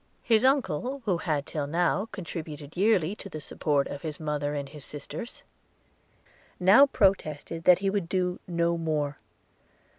His uncle, who had till now contributed yearly to the support of his mother and his sisters, now protested that he would do no more.